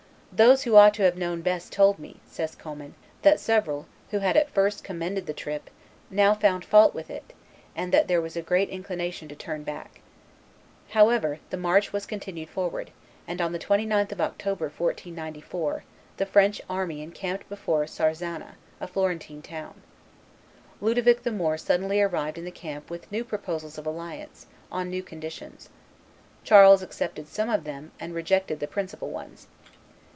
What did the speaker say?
"Those who ought to have known best told me," says Commynes, "that several, who had at first commended the trip, now found fault with it, and that there was a great inclination to turn back." However, the march was continued forward; and on the 29th of October, 1494, the French army encamped before Sarzana, a Florentine town. Ludovic the Moor suddenly arrived in the camp with new proposals of alliance, on new conditions: Charles accepted some of them, and rejected the principal ones.